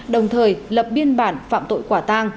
đồng thời lập biên bản phạm tội quả tàng